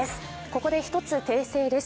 ここで一つ訂正です。